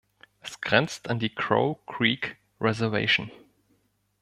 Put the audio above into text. Es grenzt an die Crow Creek Reservation.